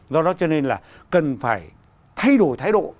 do đó cho nên là cần phải thay đổi thái độ